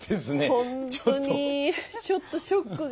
ほんとにちょっとショックが。